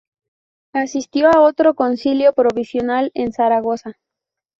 Asistió a otro concilio provincial en Zaragoza.